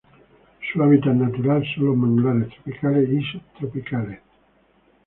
Su hábitat natural son los manglares tropicales y subtropicales.